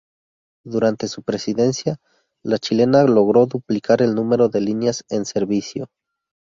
Durante su presidencia, la chilena logró duplicar el número de líneas en servicio.